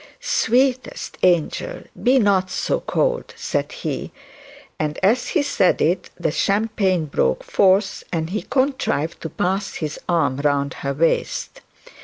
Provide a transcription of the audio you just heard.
'Sweetest angel, be not so cold,' said he, and as he said it the champagne broke forth, and he contrived to pass his arm around her waist.